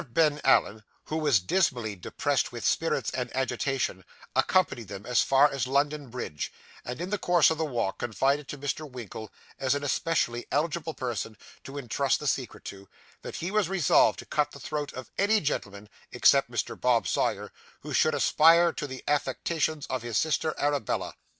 Ben Allen, who was dismally depressed with spirits and agitation, accompanied them as far as London Bridge, and in the course of the walk confided to Mr. Winkle, as an especially eligible person to intrust the secret to, that he was resolved to cut the throat of any gentleman, except Mr. Bob Sawyer, who should aspire to the affections of his sister Arabella.